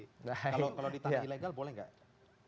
kalau di tanah ilegal boleh nggak